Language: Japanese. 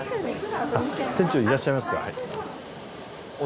店長いらっしゃいますか。